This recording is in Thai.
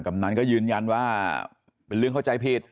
ำนันก็ยืนยันว่าเป็นเรื่องเข้าใจผิด